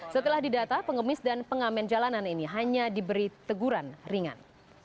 setelah didata pengemis dan pengamen jalanan ini hanya diberi teguran ringan